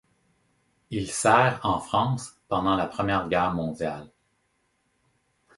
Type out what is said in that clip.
Il sert en France pendant la Première Guerre mondiale.